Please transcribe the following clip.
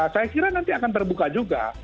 saya kira nanti akan terbuka juga